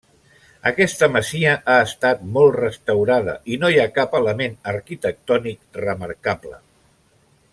Aquesta masia ha estat molt restaurada i no hi ha cap element arquitectònic remarcable.